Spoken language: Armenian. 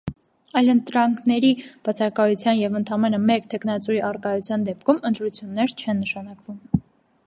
Այլընտրանքների բացակայության և ընդամենը մեկ թեկնածուի առկայության դեպքում ընտրություններ չեն նշանակվում։